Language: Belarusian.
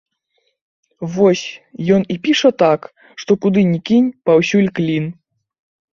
Вось, ён і піша так, што куды ні кінь, паўсюль клін.